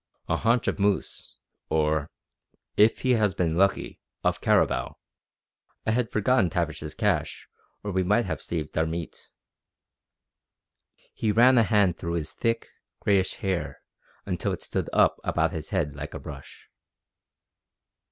"A haunch of moose, or, if he has been lucky, of caribou. I had forgotten Tavish's cache or we might have saved our meat." He ran a hand through his thick, grayish hair until it stood up about his head like a brush.